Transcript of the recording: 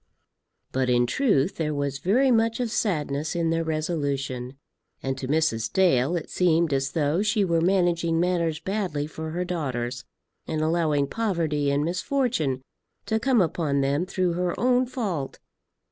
But in truth there was very much of sadness in their resolution, and to Mrs. Dale it seemed as though she were managing matters badly for her daughters, and allowing poverty and misfortune to come upon them through her own fault.